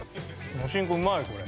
お新香うまいこれ。